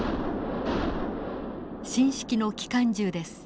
新式の機関銃です。